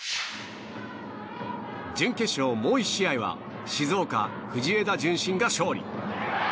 準決勝、もう１試合は静岡・藤枝順心が勝利。